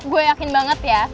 gue yakin banget ya